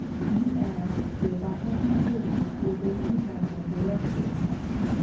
He asked, if I had considered whither to have them directed?